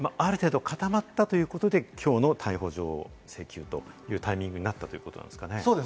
裏付け捜査がある程度、固まったということで、きょうの逮捕状請求というタイミングになったということですかね。